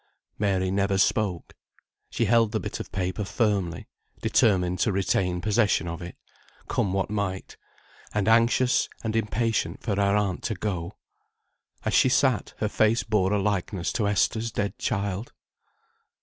Mary never spoke. She held the bit of paper firmly, determined to retain possession of it, come what might; and anxious, and impatient, for her aunt to go. As she sat, her face bore a likeness to Esther's dead child.